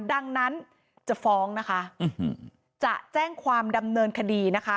ดังนั้นจะฟ้องนะคะจะแจ้งความดำเนินคดีนะคะ